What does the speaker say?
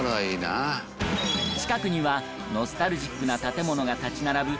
近くにはノスタルジックな建物が立ち並ぶ